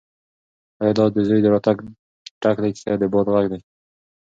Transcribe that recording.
ایا دا د زوی د راتګ ټک دی که د باد غږ دی؟